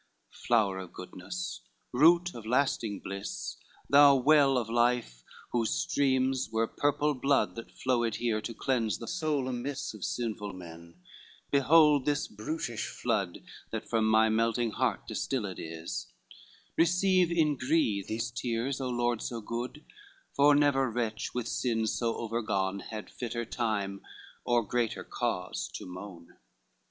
VIII "Flower of goodness, root of lasting bliss, Thou well of life, whose streams were purple blood That flowed here, to cleanse the soul amiss Of sinful men, behold this brutish flood, That from my melting heart distilled is, Receive in gree these tears, O Lord so good, For never wretch with sin so overgone Had fitter time or greater cause to moan."